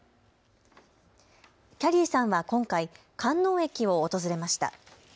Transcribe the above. きゃりーさんは今回、観音駅を訪れました。